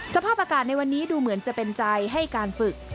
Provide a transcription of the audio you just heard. สภาพอากาศในวันนี้ดูเหมือนจะเป็นใจให้การฝึก